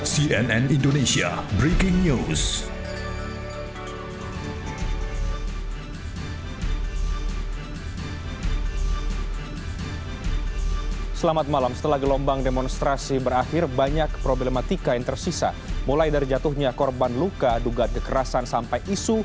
cnn indonesia breaking news